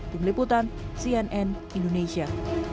dari meliputan cnn indonesia